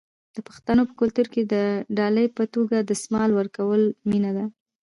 د پښتنو په کلتور کې د ډالۍ په توګه دستمال ورکول مینه ده.